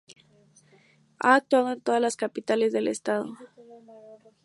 Ha actuado en todas las capitales del Estado.